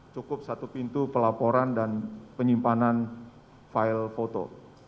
cukup satu pintu pelaporan dan penyimpanan file foto